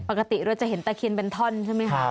ปกติเราจะเห็นตะเคียนเป็นท่อนใช่ไหมคะ